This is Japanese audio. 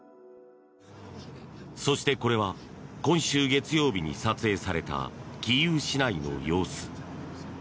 そして、これは今週月曜日に撮影されたキーウ市内の様子。